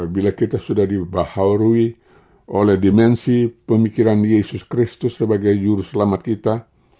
bila kita sudah dibaharui oleh dimensi pemikiran yesus kristus sebagai juru selamat kita